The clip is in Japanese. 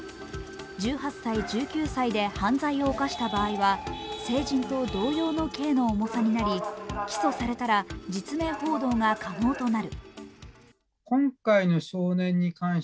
１８歳、１９歳で犯罪を犯した場合は成人と同様の刑の重さになり起訴されたら実名報道が可能となる。